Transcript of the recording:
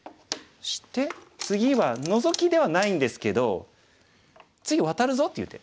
そして次はノゾキではないんですけど次ワタるぞっていう手。